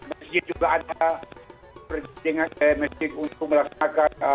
mesin juga ada mesin untuk melaksanakan